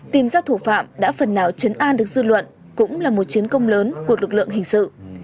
tìm ra thủ phạm đã phần nào chấn an được dư luận cũng là một chiến công lớn của lực lượng hình sự